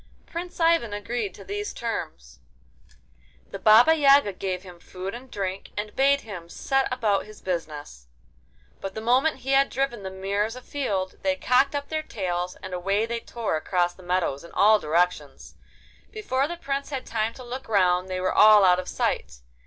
Prince Ivan agreed to these terms. The Baba Yaga gave him food and drink, and bade him set about his business. But the moment he had driven the mares afield, they cocked up their tails, and away they tore across the meadows in all directions. Before the Prince had time to look round they were all out of sight.